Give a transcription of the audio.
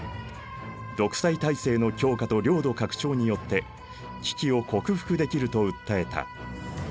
独裁体制の強化と領土拡張によって危機を克服できると訴えた。